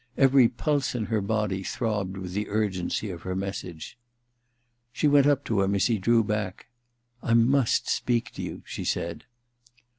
Every pulse in her body throbbed with the urgency of her message. She went up to him as he drew back. * I must speak to you,' she said.